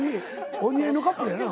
お似合いのカップルやな。